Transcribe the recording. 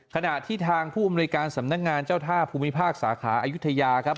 ขณะที่ทางผู้อำนวยการสำนักงานเจ้าท่าภูมิภาคสาขาอายุทยาครับ